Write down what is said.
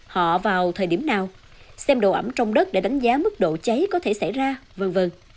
họ vào thời điểm nào xem đồ ẩm trong đất để đánh giá mức độ cháy có thể xảy ra v v